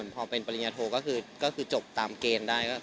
พอเป็นปริญญาโทก็คือจบตามเกณฑ์ได้